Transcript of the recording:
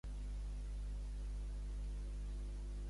Nous fitxatges, mercat d'hivern i futbol.